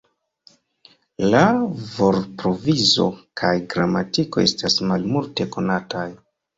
La vortprovizo kaj gramatiko estas malmulte konataj.